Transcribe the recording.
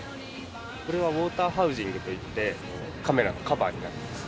これはウォーターハウジングといってカメラのカバーになってます。